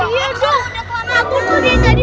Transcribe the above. ya dong aku tuh dia tadi